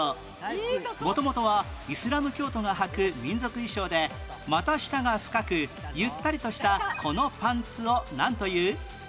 元々はイスラム教徒がはく民族衣装で股下が深くゆったりとしたこのパンツをなんという？